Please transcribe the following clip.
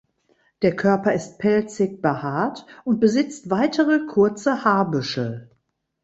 Der Körper ist pelzig behaart und besitzt weitere kurze Haarbüschel.